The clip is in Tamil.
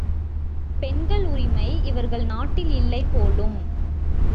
பெண்கள் உரிமை இவர்கள் நாட்டில் இல்லை போலும்!